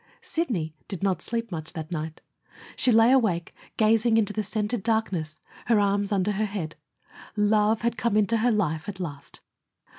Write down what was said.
Sidney did not sleep much that night. She lay awake, gazing into the scented darkness, her arms under her head. Love had come into her life at last.